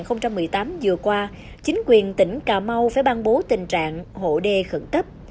năm tháng sáu năm hai nghìn một mươi tám vừa qua chính quyền tỉnh cà mau phải ban bố tình trạng hộ đê khẩn cấp